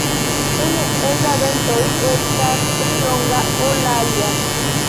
Unu el la dentoj estas pli longa ol la alia.